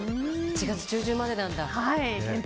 ８月中旬までなんだ。